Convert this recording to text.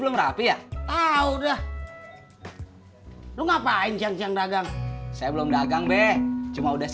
mata sajalah mah